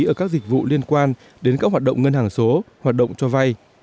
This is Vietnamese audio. ở các dịch vụ liên quan đến các hoạt động ngân hàng số hoạt động cho vay